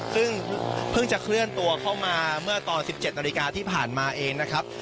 ซึ่งเพิ่งจะเคลื่อนตัวเข้ามาเมื่อตอน๑๗นาฬิกาที่ผ่านมาเองนะครับ